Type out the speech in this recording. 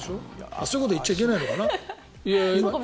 そういうことを言っちゃいけないのかな。